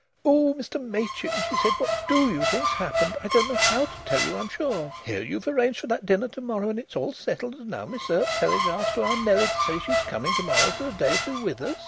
"Oh, Mr Machin," she said, "what do you think's happened? I don't know how to tell you, I'm sure. Here you've arranged for that dinner to morrow and it's all settled, and now Miss Earp telegraphs to our Nellie to say she's coming to morrow for a day or two with us.